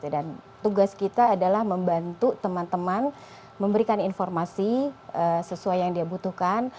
dan tugas kita adalah membantu teman teman memberikan informasi sesuai yang dia butuhkan